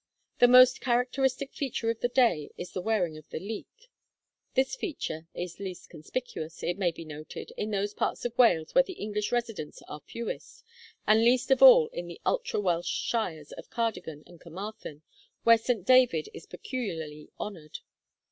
The most characteristic feature of the day is the wearing of the leek. This feature is least conspicuous, it may be noted, in those parts of Wales where the English residents are fewest, and least of all in the ultra Welsh shires of Cardigan and Carmarthen, where St. David is peculiarly honoured.